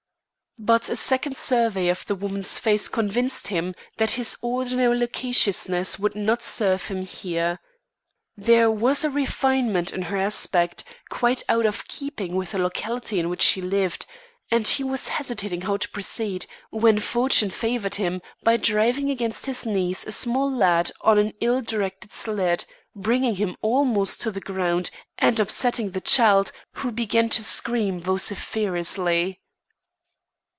But a second survey of the woman's face convinced him that his ordinary loquaciousness would not serve him here. There was a refinement in her aspect quite out of keeping with the locality in which she lived, and he was hesitating how to proceed, when fortune favoured him by driving against his knees a small lad on an ill directed sled, bringing him almost to the ground and upsetting the child who began to scream vociferously.